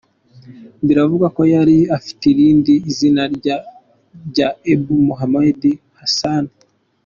Biravugwa ko yari afite irindi zina rya Ebu Muhammed Horasani.